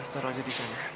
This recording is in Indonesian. taruh aja di sana